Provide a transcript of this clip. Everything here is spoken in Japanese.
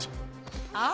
あ！